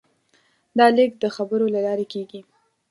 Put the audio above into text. دا لېږد د خبرو له لارې کېږي.